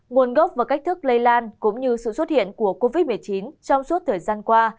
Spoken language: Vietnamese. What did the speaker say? nguồn gốc và cách thức lây lan cũng như sự xuất hiện của covid một mươi chín trong suốt thời gian qua